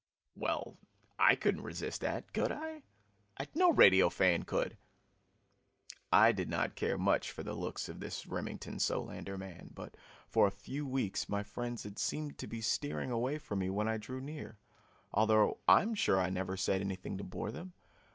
Well, I couldn't resist that, could I? No radio fan could. I did not care much for the looks of this Remington Solander man, but for a few weeks my friends had seemed to be steering away from me when I drew near, although I am sure I never said anything to bore them.